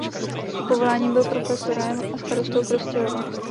Povoláním byl profesorem a starostou Prostějova.